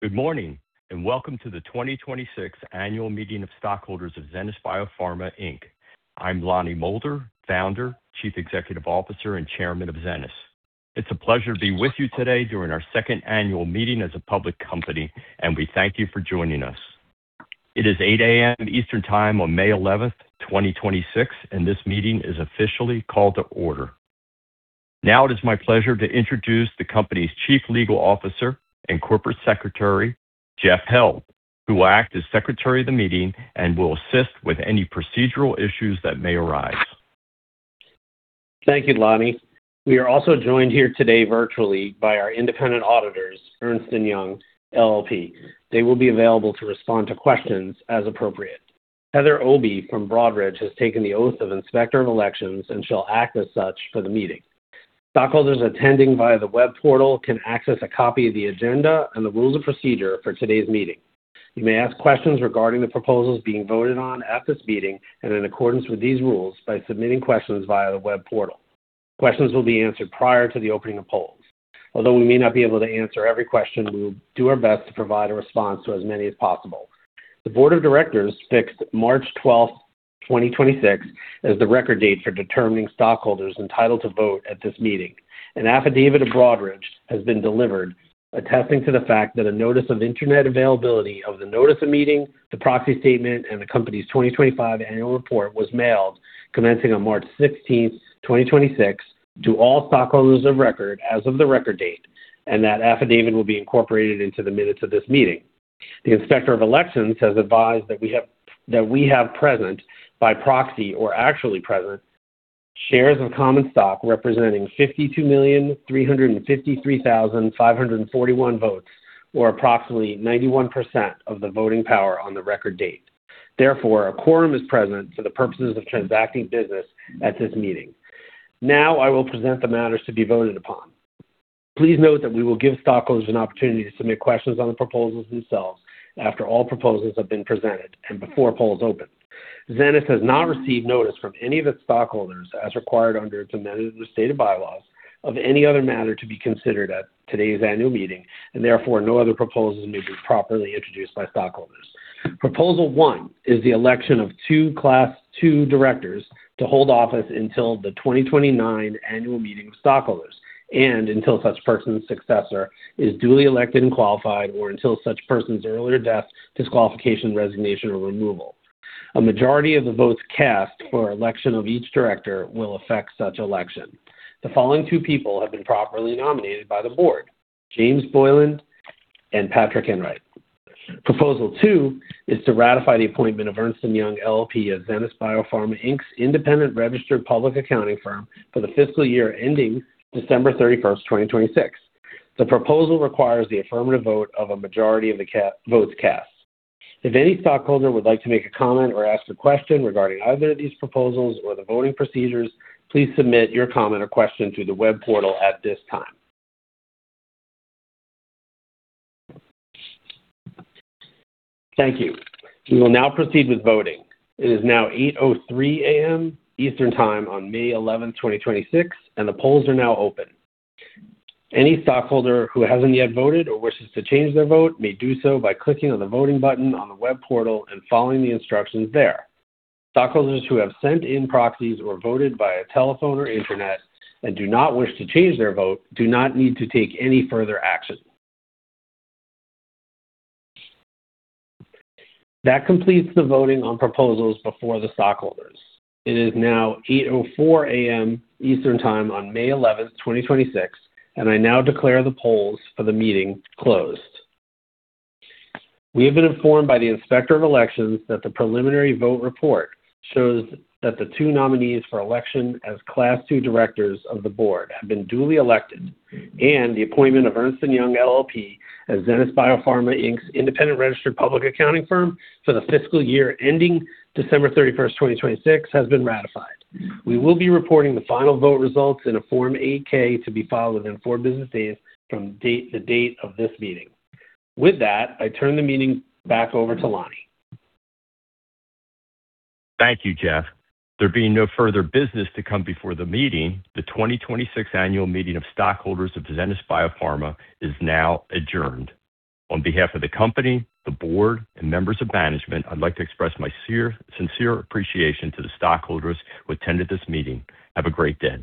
Good morning, and welcome to the 2026 Annual Meeting of stockholders of Zenas BioPharma, Inc. I'm Lonnie Moulder, Founder, Chief Executive Officer, and Chairman of Zenas. It's a pleasure to be with you today during our second Annual Meeting as a public company, and we thank you for joining us. It is 8:00 A.M. Eastern Time on May 11th, 2026, and this meeting is officially called to order. Now it is my pleasure to introduce the company's Chief Legal Officer and Corporate Secretary, Jeff Held, who will act as Secretary of the meeting and will assist with any procedural issues that may arise. Thank you, Lonnie. We are also joined here today virtually by our Independent Auditors, Ernst & Young LLP. They will be available to respond to questions as appropriate. Heather Obi from Broadridge has taken the oath of Inspector of Elections and shall act as such for the meeting. Stockholders attending via the web portal can access a copy of the agenda and the rules of procedure for today's meeting. You may ask questions regarding the proposals being voted on at this meeting and in accordance with these rules by submitting questions via the web portal. Questions will be answered prior to the opening of polls. Although we may not be able to answer every question, we will do our best to provide a response to as many as possible. The Board of Directors fixed March 12, 2026 as the record date for determining stockholders entitled to vote at this meeting. An affidavit of Broadridge has been delivered attesting to the fact that a notice of internet availability of the Notice of Meeting, the proxy statement, and the company's 2025 annual report was mailed commencing on March 16, 2026 to all stockholders of record as of the record date. And that affidavit will be incorporated into the minutes of this meeting. The Inspector of Elections has advised that we have present, by proxy or actually present, shares of common stock representing 52,353,541 votes or approximately 91% of the voting power on the record date. Therefore, a quorum is present for the purposes of transacting business at this meeting. Now I will present the matters to be voted upon. Please note that we will give stockholders an opportunity to submit questions on the proposals themselves after all proposals have been presented and before polls open. Zenas has not received notice from any of its stockholders, as required under its amended and restated bylaws, of any other matter to be considered at today's Annual Meeting, and therefore, no other proposals may be properly introduced by stockholders. Proposal 1 is the election of two Class II Directors to hold office until the 2029 Annual Meeting of stockholders and until such person's successor is duly elected and qualified or until such person's earlier death, disqualification, resignation, or removal. A majority of the votes cast for election of each Director will affect such election. The following two people have been properly nominated by the Board: James Boylan and Patrick Enright. Proposal 2 is to ratify the appointment of Ernst & Young LLP as Zenas BioPharma, Inc.'s Independent Registered Public Accounting Firm for the fiscal year ending December 31st, 2026. The proposal requires the affirmative vote of a majority of the votes cast. If any stockholder would like to make a comment or ask a question regarding either of these proposals or the voting procedures, please submit your comment or question through the web portal at this time. Thank you. We will now proceed with voting. It is now 8:03 A.M. Eastern Time on May 11th, 2026, and the polls are now open. Any stockholder who hasn't yet voted or wishes to change their vote may do so by clicking on the voting button on the web portal and following the instructions there. Stockholders who have sent in proxies or voted via telephone or internet and do not wish to change their vote do not need to take any further action. That completes the voting on proposals before the stockholders. It is now 8:04 A.M. Eastern Time on May 11th, 2026, and I now declare the polls for the meeting closed. We have been informed by the Inspector of Election that the preliminary vote report shows that the two nominees for election as Class II Directors of the Board have been duly elected and the appointment of Ernst & Young LLP as Zenas BioPharma, Inc.'s Independent Registered Public Accounting Firm for the fiscal year ending December 31st, 2026 has been ratified. We will be reporting the final vote results in a Form 8-K to be filed within four business days from date of this meeting. With that, I turn the meeting back over to Lonnie. Thank you, Jeff. There being no further business to come before the meeting, the 2026 Annual Meeting of stockholders of Zenas BioPharma is now adjourned. On behalf of the company, the Board, and members of management, I'd like to express my sincere appreciation to the stockholders who attended this meeting. Have a great day.